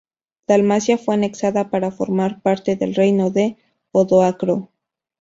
Dalmacia fue anexada para formar parte del Reino de Odoacro.